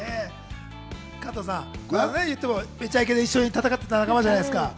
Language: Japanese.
加藤さん、『めちゃイケ』で一緒に戦ってた仲間じゃないですか。